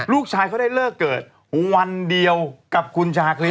ลูกชายเขาได้เลิกเกิดวันเดียวกับคุณชาคริส